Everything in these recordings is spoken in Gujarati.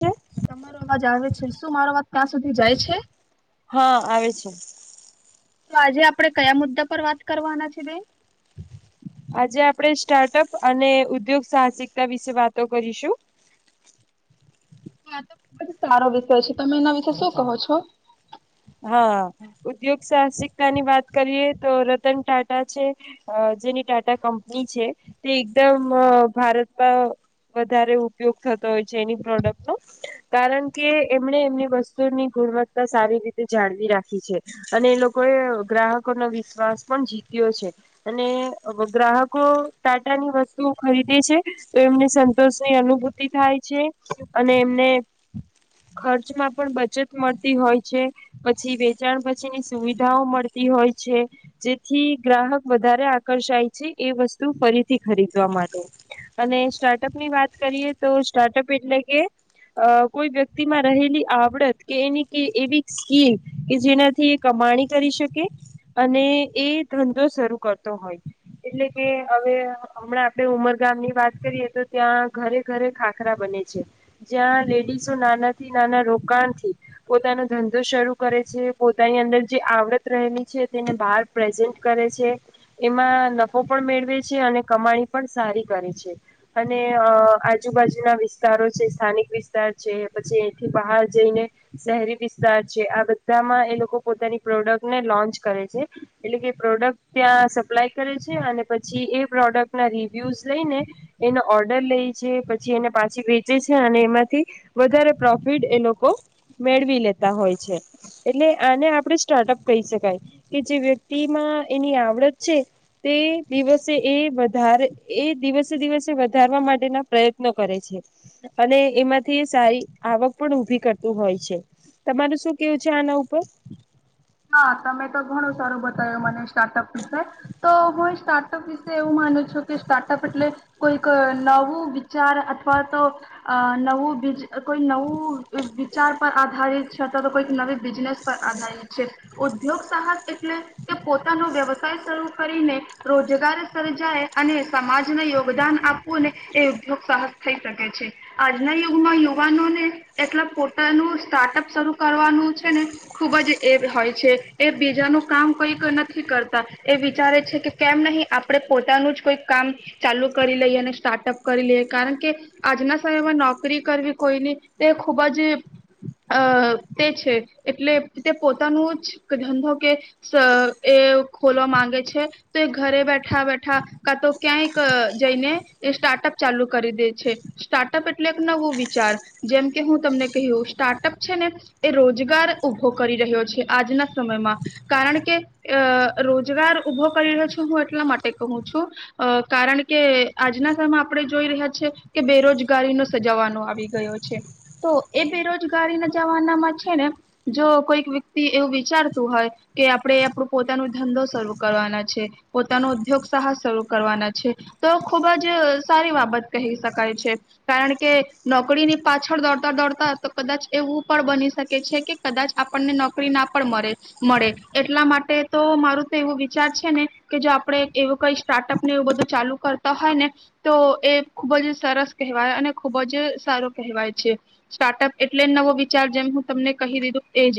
છે. તમારો અવાજ આવે છે શું મારો અવાજ. ત્યાં સુધી જાય છે. હા આવે છે. તો આજે આપણેે કયા મુદ્દા પર વાત કરવાના છે બેન. આજે આપણે સ્ટાર્ટઅપ અને ઉદ્યોગ સાહસિકતા વિશે વાતો કરીશું. હા તો ખ જ સારો વિષય છે તમે એના વિશે શું કહો છો. હા ઉદ્યોગ સાહસિકતા ની વાત કરીએ તો રતન ટાટા છે જેની ટાટા કંપની છે તે એકદમ ભારતમાં વધારે ઉપયોગ થતો હોય છે એની પ્રોડક્ટ નો કારણ કે એમણે એમની વસ્તુની ગુણવત્તા સારી રીતે. જાળવી રાખી છે અને એ લોકોએ ગ્રાહકોનોો વિશ્વાસ પણ જીત્યો છે અને ગ્રાહકો ટાટાની વસ્તુઓ ખરીદે છે તો એમને સંતોષની અનુભૂતિ થાય છે અને એમને ખર્ચમાં પણ બચત મળતી હોય છે. પછી વેચાણ પછીની સુવિધાઓ મળતી હોય છે જેથી ગ્રાહક વધારે આકર્ષાય છે એ વસ્તુ ફરીથી ખરીદવા માટે અને સ્ટાર્ટઅપની વાત કરીએ તો સ્ટાર્ટઅપ એટલે કે કોઈ વ્યક્તિમાં રહેલી આવડત કે એની એવી કી કે જેનાથી કમાણી કરી શકે અને એ ધંધો શરૂ કરતો હોય એટલે કે હવે હમણાં આપણે ઉમરગામની વાત કરીએ તો ત્યાં ઘરે ઘરે ખાખરા બને છે જ્યાં લેડીસો નાનાથી નાના રોકાણથી પોતાનો ધંધો શરૂ કરે છે પોતાની અંદર જે આવડત રહેલી છે તેને બહાર પ્રેઝન્ટ કરે છે એમાં નફો પણ મેળવે છે અને કમાણી પણ સારી કરે છે અને આજુબાજુના વિસ્તારો છે સ્થાનિક વિસ્તાર છે પછી એથી બહાર જઈને શહેરી વિ છે આ બધામાં એ લોકો પોતાની પ્રોડક્ટને લોન્ચ કરે છે એટલે કે પ્રોડક્ટ ત્યાં સપ્લાય કરે છે અને પછી એ પ્રોડક્ટના રિવ્યુઝ લઈને એનો ઓર્ડર લે છે પછી એને પાછી વેચે છે અને એમાંથી વધારે પ્રોફિટ એ લોકો મેળવી લેતા. હો એટલે આને આપણે સ્ટાર્ટઅપ કહી શકાય કે જે વ્યક્તિમાં એની આવડત છે તે દિવસે એ વધારે એ દિવસે દિવસે વધારવા માટેના પ્રયત્નો કરે છે અને એમાંથી સારી આવક પણ ઉભી કરતું હોય છે. તમારું શું કેવું છે આના ઉપર હા તમે તો ઘણો સારો બતાવ્યો મને સ્ટાર્ટઅપ વિશે તો હું સ્ટાર્ટઅપ વિશે એવું માનું છું કે સ્ટાર્ટઅપ એટલે કોઈક નવું વિચાર અથવા તો નવું કોઈ નવું વિચાર પર આધારિત છે. છતાં તો કોઈક નવી બિઝનેસ અધાય ઉદ્યોગ સાહસ એટલે કે પોતાનો વ્યવસાય શરૂ કરીને રોજગાર સર્જાય અને સમાજને યોગદાન આપવુંને એ ઉદગ સાહસ થઈ શકે છે આજના યુગમાં યુવાનોને એટલે પોતાનું સ્ટાર્ટઅપ શરૂ કરવાનું છે ને ખુબ જ એ હોય છે એ બીજાનું કામ કઈક નથી કરતા એ વિચારે છે કે કેમ નહીિ આપણે પોતાનું જ કોઈ કામ ચાલુ કરી લઈએ અને સ્ટાર્ટઅપ કરી લઈએ કારણ કે આજના સમયમાં નોકરી કરવી કોઈની તે ખૂબ જ અ તે છે એટલે તે પોતાનું જ ધંધો કે એ ખોલવા માંગે છે તો એ ઘરે બેઠા બેઠા કા તો ક્યાંયક જઈને એ સ્ટાર્ટઅપ ચાલુ કરી દે છે સ્ટાર્ટઅપ એટલે એક નવો વિચાર જેમ કે હું તમને કહ્યું સ્ટાર્ટઅપ છે ને એ રોજગાર ઉભો કરી રહ્યો છે આજના સમયમાં કારણ કે અ રોજગાર ઉઊભો કરી રહ્યો છે હું એટલા માટે કહું છું કારણ કે આજના સમયમાં આપણે જોઈ રહ્યા છીએ કે બેરોજગારીનો સજાવાનો આવી ગયો છે તો એ બેરોજગારીના જવાનામાં છે ને જો કોઈક વ્યક્તિ એવું વિચારતું હોય કે આપણે આપણું પોતાનું ધંધો શરૂ કરવાના છે પોતાનો ઉદ્યોગ સાહસ શરૂ કરવાના છે તો ખુબ જ સારી બાબત કહી શકાય છે કારણ કે નોકરીની પાછળ દોડતા દોડતા તો કદાચ એવું પણ બની શકે છે કે કદાચ આપણને નોકરી ના પણ મળે મળે એટલા માટે તો મારું તો એવું વિચાર છે ને કે જો આપણેે એવું કઈ સ્ટાર્ટઅપને એવું બધું ચાલુ કરતા હોય ને તો એ ખૂબ જ સરસ કહેવાય અને ખુબ જ સારું કહેવાય છે સ્ટાર્ટઅપ એટલે જ નવો વિચાર જેમ હું તમને કહી દીધું. એજ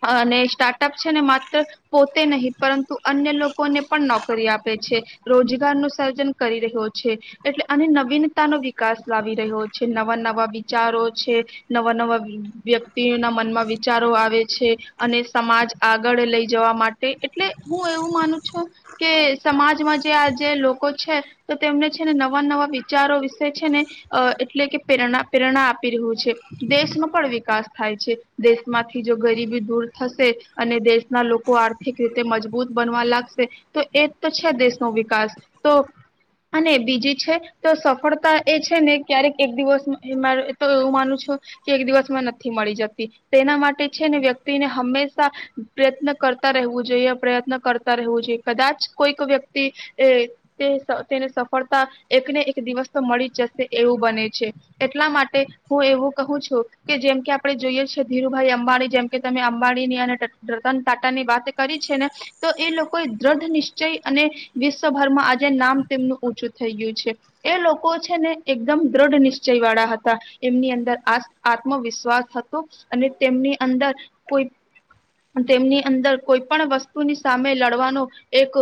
અને સ્ટાર્ટઅપ છે ને માત્ર પોતે નહી પરંતુ અન્ય લોકોને પણ નોકરી આપે છે રોજગાર નું સર્જન કરી રહ્યો છે એટલે અને નવીનતા નો વિકાસ લાવી રહ્યો છે નવા નવા વિચારો છે નવા નવા વ્યક્તિઓના મનમાં વિચારો આવે છે અને સમાજ આગળ લઈ જવા માટે એટલે હું એવું માનું છું કે સમાજમાં જે આજે લોકો છે તો તેમને છેને નવા નવા વિચારો વિશે છે ને અ એટલે કે પ્રેરણા પ્રેરણા આપી રહ્યું છે દેશમાં પણ વિકાસ થાય છે. દેશમાંથી જો ગરીબી દૂર થશે અને દેશના લોકો આર્થિક રીતે મજબૂત બનવા લાગશે તો એ તો છે દેશનો વિકાસ તો અને બીજી છે તો સફળતા એ છે ને ક્યારેક એક દિવસ તો એવું માનું છું કે એક દિવસમાં નથી મળી જતી. તેના માટે છે ને વ્યક્તિને હંમેશા પ્રયત્ન કરતા રહેવું જોઈએ પ્રયત્ન કરતા રહેવું જોઈએ કદાચ કોઈક વ્યક્તિ તે તેને સફળતા એકને એક દિવસ તો મળી જશે એવું બને છે એટલા માટે હું એવું કહું છું કે જેમ કે આપણે જોઈએ. ધીરુભાઈ અંબાણી જેમ કે તમે અંબાણીની અને રતન ટાટા ની વાત કરી છે ને તો એ લોકોએ દ્રઢ નિશ્ચય અને વિશ્વભરમાં આજે નામ તેમનું ઊંચું થઈ ગયું છે એ લોકો છે ને એકદમ દ્રઢ નિશ્ચય વાળા હતા એમની અંદર આત્મવિશ્વાસ હતો. અને તેમની અંદર કોઈ તેમની અંદર કોઈ પણ વસ્તુની સામે લડવાનું એક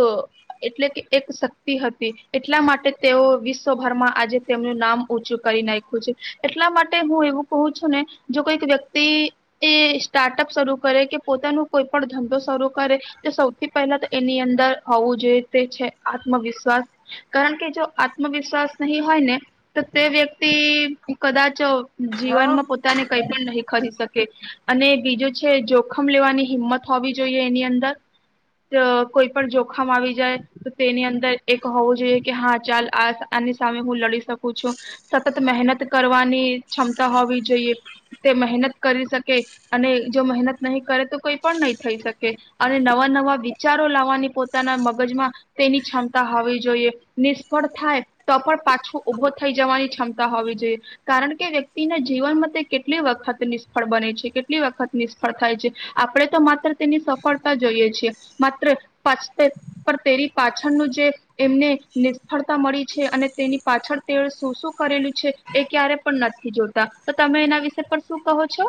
એટલે કે એક શક્તિ હતી એટલા માટે તેઓ વિશ્વભરમાં આજે તેમનું નામ ચું કરી નાખ્યું છે એટલા માટે હું એવું કું છું ને જો કોઈક વ્યક્તિ તે એ સ્ટાર્ટઅપ સ્વરૂપ કરે કે પોતાનું કોઈ પણ ધંધો શરૂ કરે તો સૌથી પહેલા એની અંદર [unintelligible] હોવું જોઈએ તે છે આત્મવિશ્વાસ કારણ કે જો આત્મવિશ્વાસ નહી હોય ને તો તે વ્યક્તિ કદાચ. હા જીવનમાં પોતાને કઈ પણ રહી. [unintelligible] અને બીજું છે જોખમ લેવાની હિંમત હોવી જોઈએ એની અંદર કોઈ પણ જોખમ આવી જાય તો તેની અંદર એક હોવું જોઈએ કે હા ચાલ આ આની સામે હું લડી શકું છું સતત મહેનત કરવાની ક્ષમતા હોવી જોઈએ. તે મહેનત કરી શકે અને જો મહેનત નહીં કરે તો કઈ પણ નહી થઈ શકે અને નવા નવા વિચારો લાવવાની પોતાના મગજમાં તેની ક્ષમતા હોવી જોઈએ નિષ્ફળ થાય તો પણ પાછું ઉઊભો થઈ જવાની ક્ષમતા હોવી જોઈએ કારણ કે વ્યક્તિના જીવનમાં તે કેટ. કેટલી વખત નિષ્ફળ બને છે કેટલી વખત નિષ્ફળ થાય છે આપણે તો માત્ર. તેની સફળતા જોઈએ છ છીએ. માત્ર [inaudible] પણ તેની પાછળનું જે એમને નિષ્ફળતા મળી છે અને તેની પાછળ તે શું શું કરેલું છે એ ક્યારે પણ નથી જોતા તો તમે એના વિશે. પર શું કહો છો.